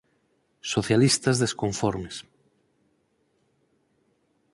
Socialistas, desconformes